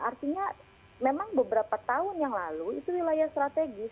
artinya memang beberapa tahun yang lalu itu wilayah strategis